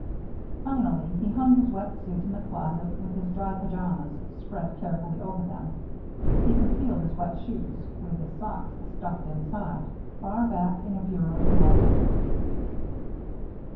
Finally he hung the wet suit in the closet, with his dry pajamas spread carefully over them. He concealed his wet shoes, with his socks stuffed inside, far back in a bureau drawer.